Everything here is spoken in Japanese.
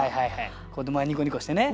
子どもはニコニコしてね。